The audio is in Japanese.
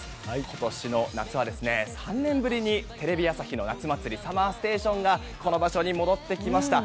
今年の夏は３年ぶりにテレビ朝日の夏祭り「ＳＵＭＭＥＲＳＴＡＴＩＯＮ」がこの場所に戻ってきました。